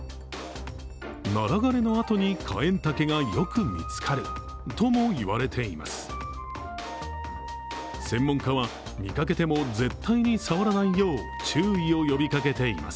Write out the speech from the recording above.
ナラ枯れのあとにカエンタケがよく見つかるとも言います。